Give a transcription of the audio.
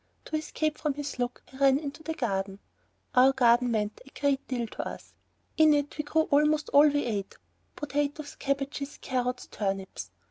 To escape from his look I ran into the garden. Our garden meant a great deal to us. In it we grew almost all that we ate potatoes, cabbages, carrots, turnips.